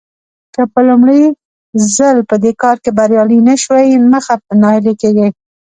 که په لومړي ځل په دې کار کې بريالي نه شوئ مه ناهيلي کېږئ.